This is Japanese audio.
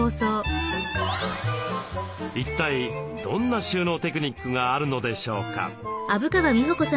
一体どんな収納テクニックがあるのでしょうか？